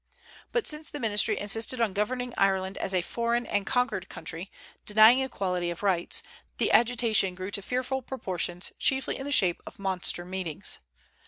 But since the ministry insisted on governing Ireland as a foreign and conquered country, denying equality of rights, the agitation grew to fearful proportions, chiefly in the shape of monster meetings.